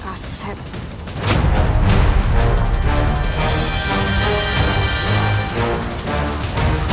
kau bisa berhenti